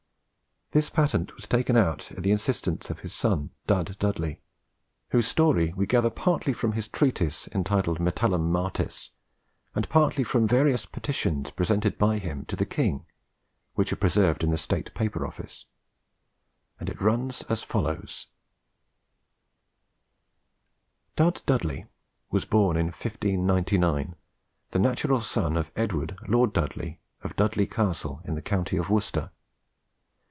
This patent was taken out at the instance of his son Dud Dudley, whose story we gather partly from his treatise entitled 'Metallum Martis,' and partly from various petitions presented by him to the king, which are preserved in the State Paper Office, and it runs as follows: Dud Dudley was born in 1599, the natural son of Edward Lord Dudley of Dudley Castle in the county of Worcester.